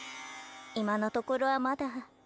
今のところはまだ。